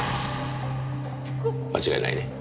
間違いないね？